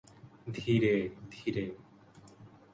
ধীরে, ধীরে।